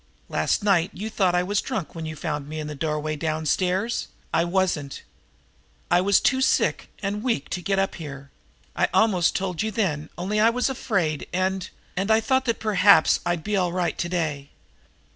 Last night you thought I was drunk when you found me in the doorway downstairs. I wasn't. I was too sick and weak to get up here. I almost told you then, only I was afraid, and and I thought that perhaps I'd be all right to day."